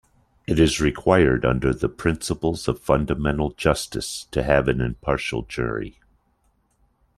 It is required under the principles of fundamental justice to have an impartial jury.